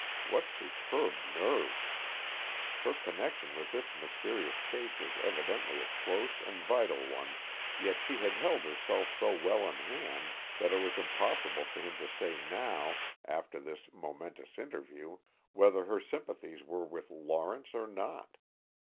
What superb nerve! Her connection with this mysterious case was evidently a close and vital one, yet she had held herself so well in hand that it was impossible for him to say now, after this momentous interview, whether her sympathies were with Lawrence or not.